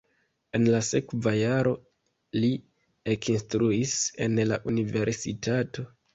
En la sekva jaro li ekinstruis en la universitato.